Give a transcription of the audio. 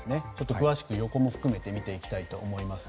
詳しく、横も含めて見ていきたいと思います。